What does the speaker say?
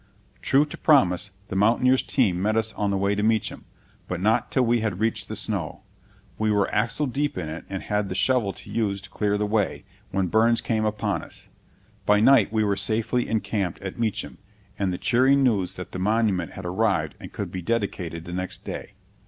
True to promise, the mountaineer's team met us on the way to Meacham, but not till we had reached the snow. We were axle deep in it and had the shovel in use to clear the way, when Burns came upon us. By night we were safely encamped at Meacham, with the cheering news that the monument had arrived and could be dedicated the next day.